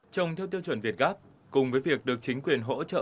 trồng theo tiêu chuẩn việt gáp cùng với việc được chính quyền hỗ trợ